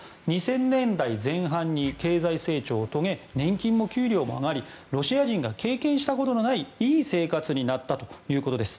２０００年代前半に経済成長を遂げ年金も給料も上がりロシア人が経験したことのないいい生活になったということです。